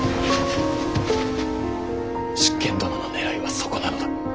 執権殿のねらいはそこなのだ。